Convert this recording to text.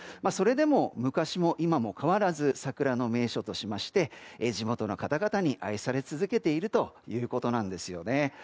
それでも昔も今も変わらず桜の名所としまして地元の方々に愛されているということなんです。